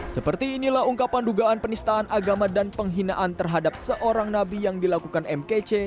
seperti inilah ungkapan dugaan penistaan agama dan penghinaan terhadap seorang nabi yang dilakukan mkc